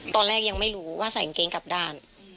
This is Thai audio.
ตอนแรกยังไม่รู้ว่าใส่กางเกงกลับด้าน